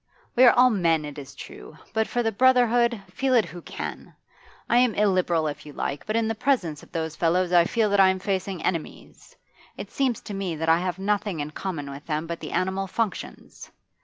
'We are all men, it is true; but for the brotherhood feel it who can! I am illiberal, if you like, but in the presence of those fellows I feel that I am facing enemies. It seems to me that I have nothing in common with them but the animal functions.